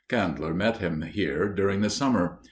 Kandler met him here during the summer.